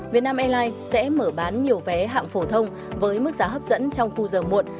vietnam airlines sẽ mở bán nhiều vé hạng phổ thông với mức giá hấp dẫn trong khu giờ muộn